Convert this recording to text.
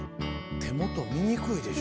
手元見にくいでしょ。